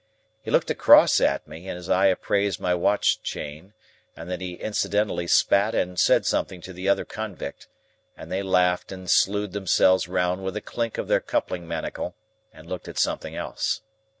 He looked across at me, and his eye appraised my watch chain, and then he incidentally spat and said something to the other convict, and they laughed and slued themselves round with a clink of their coupling manacle, and looked at something else.